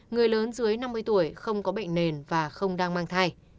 người lớn dưới năm mươi tuổi không có bệnh nền và không đang mang thai